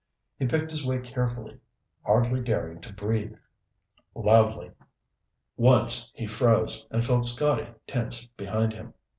He picked his way carefully, hardly daring to breathe loudly. Once he froze and felt Scotty tense behind him.